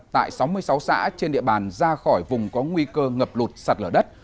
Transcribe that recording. tại sáu mươi sáu xã trên địa bàn ra khỏi vùng có nguy cơ ngập lụt sạt lở đất